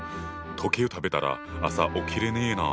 時計を食べたら朝起きれねえな。